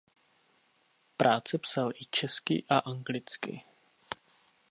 Práce psal i česky a anglicky.